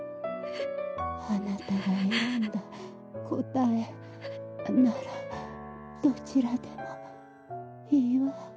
あなたが選んだ答えならどちらでもいいわ。